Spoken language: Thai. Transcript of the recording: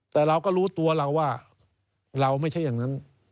แต่เราก็รู้ตัวเราว่าเราไม่ใช่อย่างนั้น